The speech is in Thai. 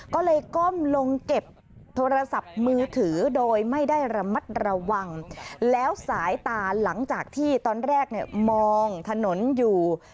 ก็เลยก้มลงเก็บโทรศัพท์มือถือโดยไม่ได้ระมัดระวังแล้วสายตาหลังจากที่ตอนแรกเนี่ยมองถนนอยู่